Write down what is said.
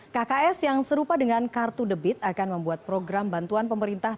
kks yang serupa dengan kartu debit akan membuat program bantuan pemerintah